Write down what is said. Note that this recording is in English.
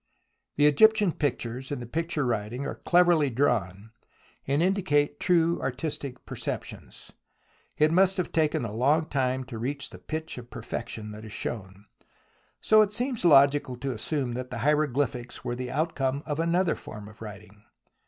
The Egyptian pictures in the picture writing are cleverly drawn, and indicate true artistic per ceptions. It must have taken a long time to reach the pitch of perfection that is shown. So it seems logical to assume that the hieroglyphics were the outcome of another form of writing.